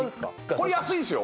これ安いですよ